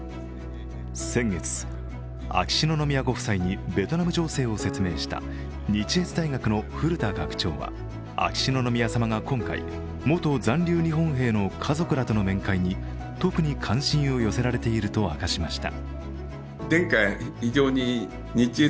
先月、秋篠宮ご夫妻にベトナム情勢を説明した日越大学の古田学長は秋篠宮さまが今回、元残留日本兵の家族らとの面会に特に関心を寄せられていると明かしました。